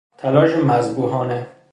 تلاش مذبوحانه